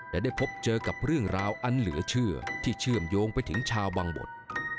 และได้พบเจอกับเรื่องราวอันเหลือเชื่อที่เชื่อมโยงไปถึงชาวบังบด